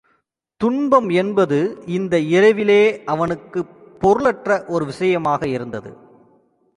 துன்பம் என்பது இந்த இரவிலே அவனுக்குப் பொருளற்ற ஒரு விஷயமாக இருந்தது.